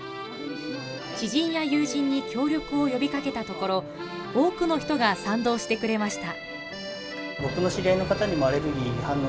知人や友人に協力を呼びかけたところ、多くの人が賛同してくれました。